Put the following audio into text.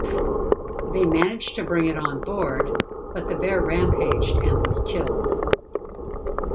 They managed to bring it on board, but the bear rampaged and was killed.